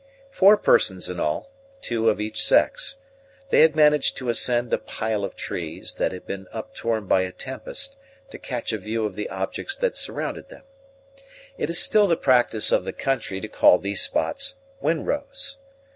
Four persons in all, two of each sex, they had managed to ascend a pile of trees, that had been uptorn by a tempest, to catch a view of the objects that surrounded them. It is still the practice of the country to call these spots wind rows.